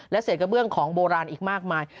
และเศษเกบื้องของโบราณอีกมากมาย